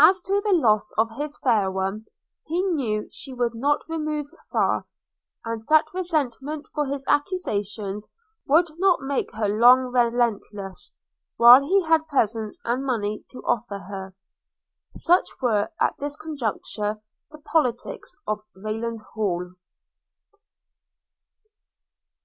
As to the loss of his fair one, he knew she would not remove far; and that resentment for his accusations would not make her long relentless, while he had presents and money to offer her. Such were, at this juncture, the politics of Rayland Hall.